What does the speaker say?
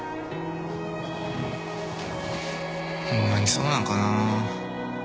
ホンマにそうなんかな。